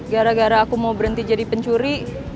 gara gara aku mau berhenti jadi pencuri